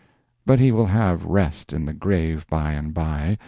........ But he will have rest in the grave by and by.